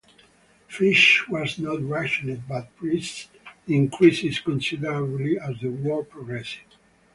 Fish was not rationed but price increased considerably as the war progressed.